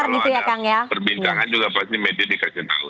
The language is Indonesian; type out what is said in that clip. jadi kita semua ada perbincangan juga pasti media dikasih tahu